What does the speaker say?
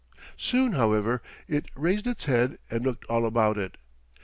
"] Soon, however, it raised its head and looked all about it.